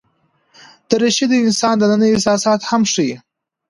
دریشي د انسان دننه احساسات هم ښيي.